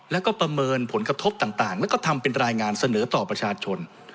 แล้วก็ประเมินผลกระทบต่างแล้วก็ทำเป็นรายงานเสนอต่อประชาชน